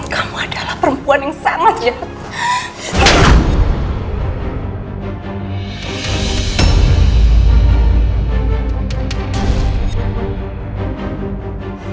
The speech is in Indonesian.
kamu adalah perempuan yang sangat ya